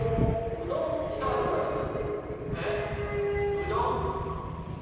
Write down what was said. うどんいかがでございます？」。